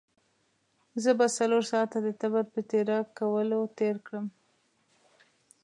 زه به څلور ساعته د تبر په تېره کولو تېر کړم.